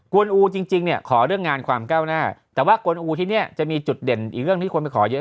วนอูจริงเนี่ยขอเรื่องงานความก้าวหน้าแต่ว่ากวนอูที่นี่จะมีจุดเด่นอีกเรื่องที่คนไปขอเยอะ